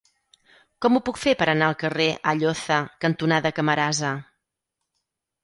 Com ho puc fer per anar al carrer Alloza cantonada Camarasa?